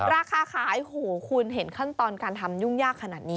ราคาขายโอ้โหคุณเห็นขั้นตอนการทำยุ่งยากขนาดนี้